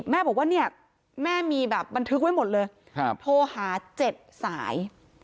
แม่บอกว่าเนี่ยแม่มีแบบบันทึกไว้หมดเลยโทรหา๗สาย